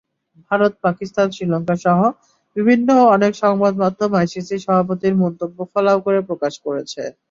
ভারত, পাকিস্তান, শ্রীলঙ্কাসহ বিশ্বের অনেক সংবাদমাধ্যম আইসিসি সভাপতির মন্তব্য ফলাও করে প্রকাশ করেছে।